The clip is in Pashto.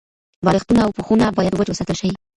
بالښتونه او پوښونه باید وچ وساتل شي.